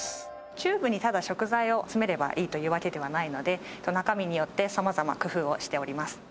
チューブにただ食材を詰めればいいというわけではないので中身によって様々工夫をしております